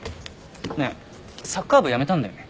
ねえサッカー部辞めたんだよね？